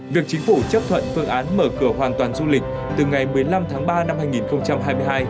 việc chính phủ chấp thuận phương án mở cửa hoàn toàn du lịch từ ngày một mươi năm tháng ba năm hai nghìn hai mươi hai